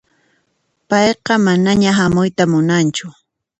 Payqa manaña hamuyta munanchu.